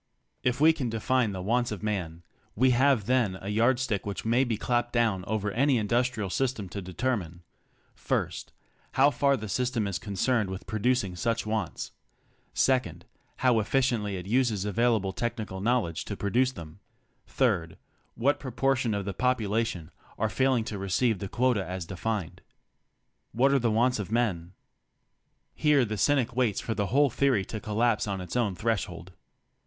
If we can define the wants of man, we have then a yardstick which may be clapped down over any industrial system to determine : (1) How far the system is concerned with producing such wants. (2) How efficiently it uses available technical knowledge to produce them. (3) What proportion of the population are faiHng to receive the quota as defined. What are the wants of men? Here the cynic waits for the whole theory to collapse on its own threshold.